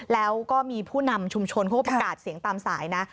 แล้วก็มีผู้นำชุมชนเขาก็ประกาศเสียงตามสายนะ